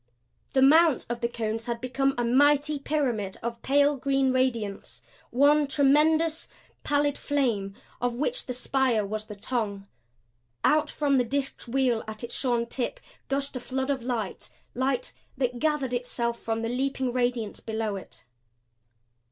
The mount of the cones had become a mighty pyramid of pale green radiance one tremendous, pallid flame, of which the spire was the tongue. Out from the disked wheel at its shorn tip gushed a flood of light light that gathered itself from the leaping radiance below it.